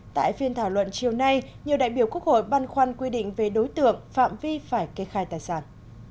tại phiên thảo luận chiều nay nhiều đại biểu quốc hội băn khoăn quy định về đối tượng phạm vi phải kê khai tài sản